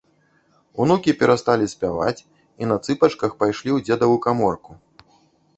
Унукі перасталі спяваць і на цыпачках пайшлі ў дзедаву каморку.